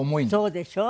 そうでしょう。